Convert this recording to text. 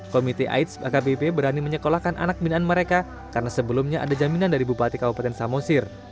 komite aids akbp berani menyekolahkan anak binaan mereka karena sebelumnya ada jaminan dari bupati kabupaten samosir